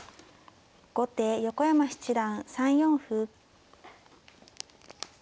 後手横山七段３四歩。